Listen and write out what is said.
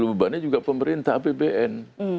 yang berbebannya juga pemerintah apbn